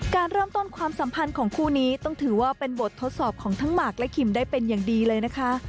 การเริ่มต้นความสัมพันธ์ของคู่นี้ต้องถือว่าเป็นบททดสอบของทั้งหมากและคิมได้เป็นอย่างดีเลยนะคะ